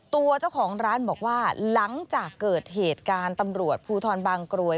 ตัวเจ้าของร้านบอกว่าหลังจากเกิดเหตุการณ์ตำรวจภูทรบางกรวย